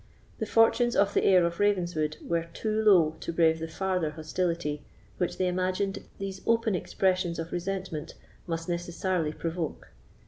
The fortunes of the heir of Ravenswood were too low to brave the farther hostility which they imagined these open expressions of resentment must necessarily provoke.